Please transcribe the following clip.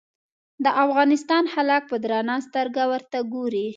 د افغانستان خلک په درنه سترګه ورته ګوري.